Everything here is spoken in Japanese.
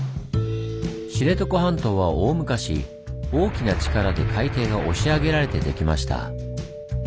知床半島は大昔大きな力で海底が押し上げられてできました。